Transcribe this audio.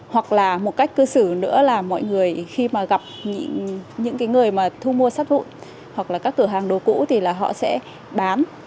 hoặc là một cách cư xử nữa là mọi người khi mà gặp những người mà thu mua sát hụt hoặc là các cửa hàng đồ cũ thì là họ sẽ bán